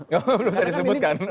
belum bisa disebutkan